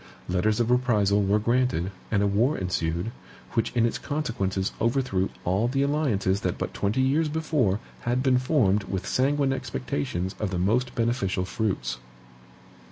Letters of reprisal were granted, and a war ensued, which in its consequences overthrew all the alliances that but twenty years before had been formed with sanguine expectations of the most beneficial fruits.